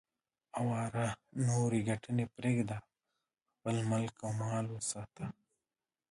اواره نورې ګټنې پرېږده، خپل ملک او مال وساته.